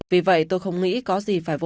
vì vậy tôi không nghĩ có gì phải vội vàng